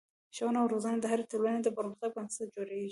ښوونه او روزنه د هرې ټولنې د پرمختګ بنسټ جوړوي.